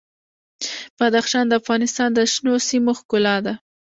بدخشان د افغانستان د شنو سیمو ښکلا ده.